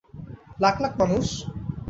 লাখ লাখ মানুষ?